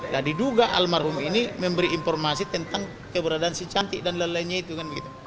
nah diduga almarhum ini memberi informasi tentang keberadaan si cantik dan lain lainnya itu kan begitu